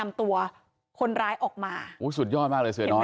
ไปไหนวิ่งบนอยู่แบบเนี่ยมันเข้าไปดูแอดตรงนี้คงจะไล่มันอะนะ